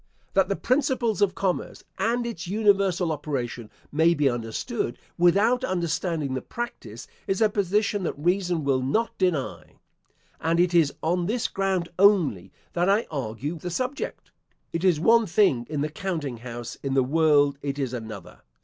That the principles of commerce, and its universal operation may be understood, without understanding the practice, is a position that reason will not deny; and it is on this ground only that I argue the subject. It is one thing in the counting house, in the world it is another.